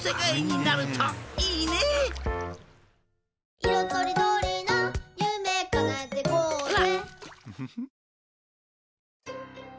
とりどりなゆめかなえてこうぜ！」